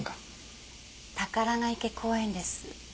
宝が池公園です。